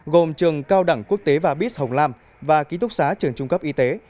gồm trường cao đẳng quốc tế và bis hồng lam và ký túc xá trường trung cấp y tế